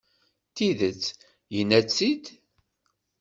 Tidet, yenna-tt-id.